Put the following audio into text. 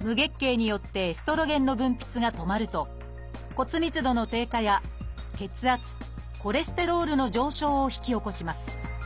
無月経によってエストロゲンの分泌が止まると骨密度の低下や血圧・コレステロールの上昇を引き起こします。